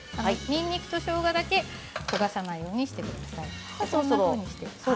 にんにくとしょうがだけ焦がさないようにしてください。